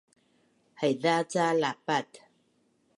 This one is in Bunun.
Haiza ca lapat